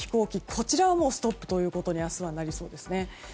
こちらはストップということに明日はなりそうですね。